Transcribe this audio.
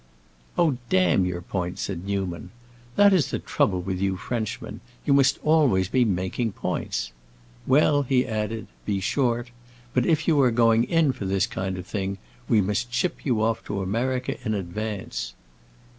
"Oh, damn your point!" said Newman. "That is the trouble with you Frenchmen; you must be always making points. Well," he added, "be short. But if you are going in for this kind of thing, we must ship you off to America in advance."